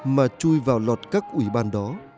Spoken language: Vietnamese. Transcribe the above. mà chui vào lọt các ủy ban đó